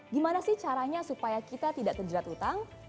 gimana sih caranya supaya kita tidak terjerat utang